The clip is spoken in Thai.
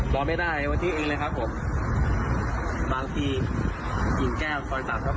รอมาให้ตามทุกที่ในของรับ